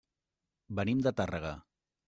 Venim de Tàrrega.